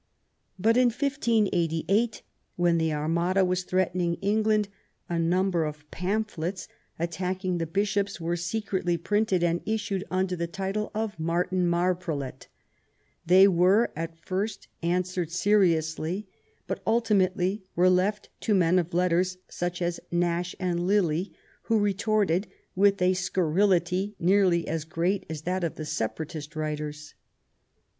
But, in 1588, when the Armada was threatening England, a number of pamphlets attacking the Bishops were secretly printed and issued under the name of " Martin Marprelate ". They were at first answered seriously, but ultimately were left to men of letters such as Nash and Lilly, who retorted with a scurrility nearly as great as that of the Separatist writers.